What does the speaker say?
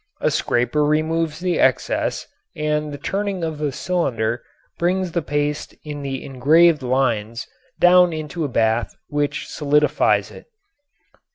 A scraper removes the excess and the turning of the cylinder brings the paste in the engraved lines down into a bath which solidifies it.